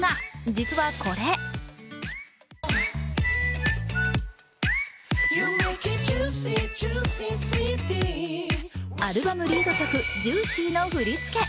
実はこれアルバムリード曲「ＪＵＩＣＹ」の振り付け。